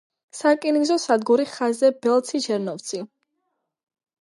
სარკინიგზო სადგური ხაზზე ბელცი—ჩერნოვცი.